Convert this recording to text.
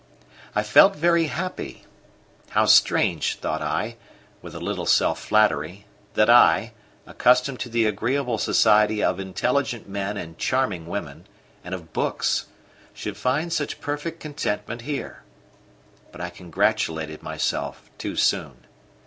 I felt very happy. How strange, thought I, with a little self flattery, that I, accustomed to the agreeable society of intelligent men and charming women, and of books, should find such perfect contentment here! But I congratulated myself too soon.